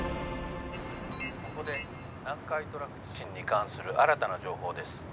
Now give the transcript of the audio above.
「ここで南海トラフ地震に関する新たな情報です。